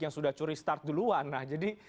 yang sudah curi start duluan nah jadi